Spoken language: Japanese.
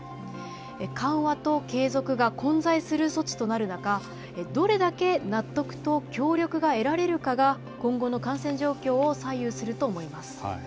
緩和と継続が混在する措置となる中、どれだけ納得と協力が得られるかが今後の感染状況を左右すると思います。